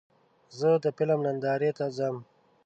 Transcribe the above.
زه د فلم نندارې ته ځم.